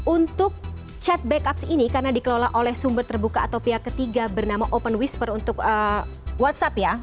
untuk chat backups ini karena dikelola oleh sumber terbuka atau pihak ketiga bernama open whisper untuk whatsapp ya